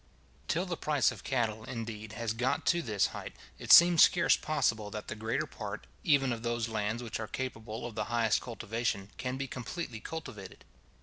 Till the price of cattle, indeed, has got to this height, it seems scarce possible that the greater part, even of those lands which are capable of the highest cultivation, can be completely cultivated.